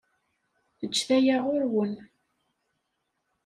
Eǧǧet aya ɣur-wen.